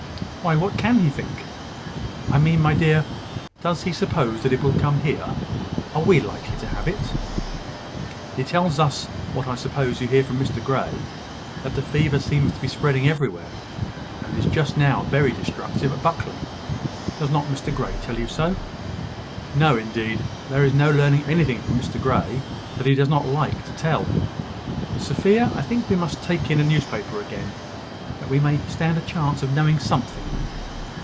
"Why, what can he think?" "I mean, my dear, does he suppose that it will come here? Are we likely to have it?" "He tells us, what I suppose you hear from Mr Grey, that the fever seems to be spreading everywhere, and is just now very destructive at Buckley. Does not Mr Grey tell you so?" "No, indeed; there is no learning anything from Mr Grey that he does not like to tell. Sophia, I think we must take in a newspaper again, that we may stand a chance of knowing something."